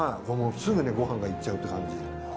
すぐにご飯がいっちゃうって感じ。